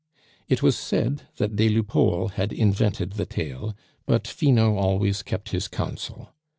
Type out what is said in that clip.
It was said that des Lupeaulx had invented the tale, but Finot always kept his counsel.